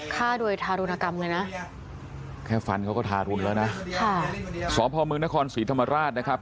ฆ่าโดยทารุณกรรมเลยนะแค่ฟันเขาก็ทารุณแล้วนะค่ะสพมนครศรีธรรมราชนะครับ